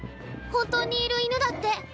ほんとにいる犬だって。